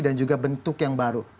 dan juga bentuk yang baru